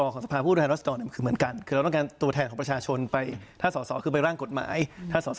คุณพระอิทธิ์ขอชั้นเดี๋ยวชุดหน้ากลับมา